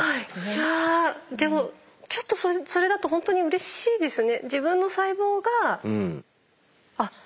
あでもちょっとそれだとほんとにうれしいですね。